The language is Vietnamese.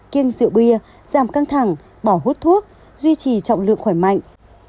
kiêng rượu bia giảm căng thẳng bỏ hút thuốc duy trì trọng lượng khỏe mạnh